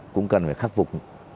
cũng cần phải khắc phục